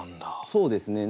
そうですね。